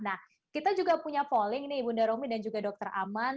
nah kita juga punya polling nih ibunda romi dan juga dokter aman